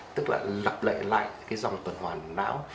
tức là lặp lại lại cái dòng tuần hoàn não